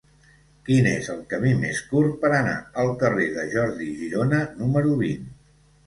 Quin és el camí més curt per anar al carrer de Jordi Girona número vint?